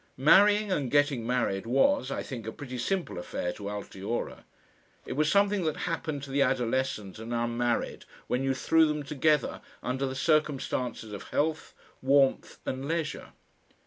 Marrying and getting married was, I think, a pretty simple affair to Altiora; it was something that happened to the adolescent and unmarried when you threw them together under the circumstances of health, warmth and leisure.